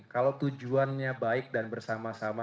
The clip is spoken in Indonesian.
kalau tujuannya baik dan bersama sama